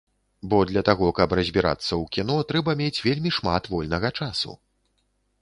Бо для таго, каб разбірацца ў кіно, трэба мець вельмі шмат вольнага часу.